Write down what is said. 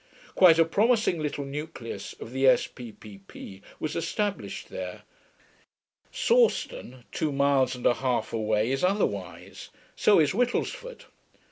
Quite a promising little nucleus of the S.P.P.P. was established there. Sawston, two miles and a half away, is otherwise; so is Whittlesford.